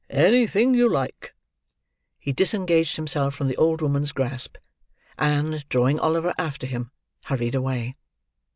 Anything you like!" He disengaged himself from the old woman's grasp; and, drawing Oliver after him, hurried away.